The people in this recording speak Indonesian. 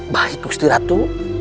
baik gusti ratu